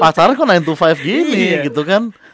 pasar kok sembilan to lima gini gitu kan